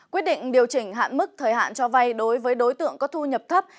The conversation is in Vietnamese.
quyết định điều chỉnh hạn mức thời hạn cho vay đối với đối tượng có thu nhập thấp